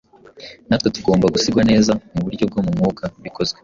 natwe tugomba gusigwa neza mu buryo bwo mu mwuka bikozwe